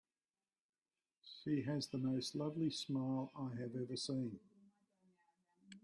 She has the most lovely smile I have ever seen.